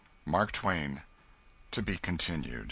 MARK TWAIN. (_To be Continued.